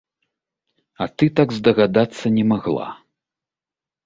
А так ты здагадацца не магла?!